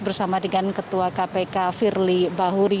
bersama dengan ketua kpk firly bahuri